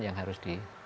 yang harus disampaikan